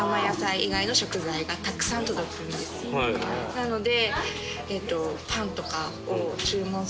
なので。